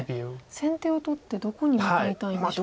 先手を取ってどこに向かいたいんでしょう。